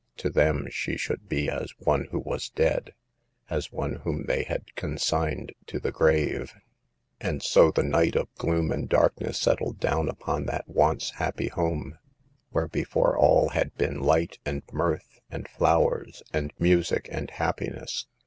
To them she should be as one who was dead ; as one whom they had consigned to the grave. And so the night of gloom and darkness settled down upon that once happy home, where before all had been light, and mirth, and flowers, and music, and happiness.